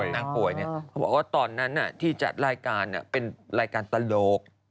นางป่วยเขาบอกว่าตอนนั้นที่จัดรายการเป็นรายการตลก